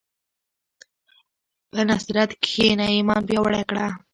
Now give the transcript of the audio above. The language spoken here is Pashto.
په نصرت کښېنه، ایمان پیاوړی کړه.